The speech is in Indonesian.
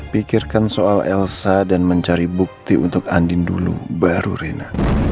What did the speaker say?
pikirkan soal elsa dan mencari bukti untuk andin dulu baru rena